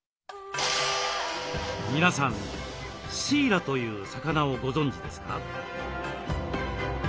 皆さんシイラという魚をご存じですか？